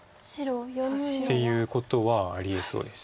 さあ白は。っていうことはありえそうです。